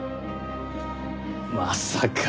まさか。